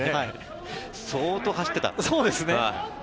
相当走ってた。